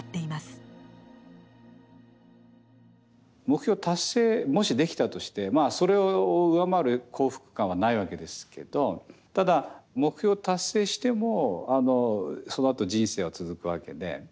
目標達成もしできたとしてそれを上回る幸福感はないわけですけどただ目標達成してもそのあと人生は続くわけで。